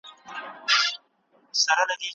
ښوونځي به تر پایه پورې بریالي سوي وي.